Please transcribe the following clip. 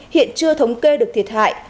hiện chưa thống kê được thiệt hại